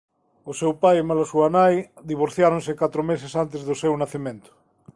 O seu pai e maila súa nai divorciáronse catro meses antes do seu nacemento.